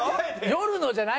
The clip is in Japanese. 「夜の」じゃない。